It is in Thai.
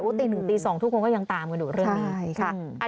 ตี๑ตี๒ทุกคนก็ยังตามกันอยู่เรื่องนี้